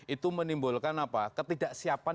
itu menimbulkan ketidaksiapan